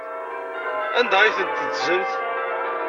Anda ay tent-teddzem?